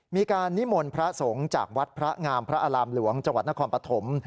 มีการนิมนต์พระสงฆ์จากวัดพระงามพระอารามหลวงจังหวัดนครปฐม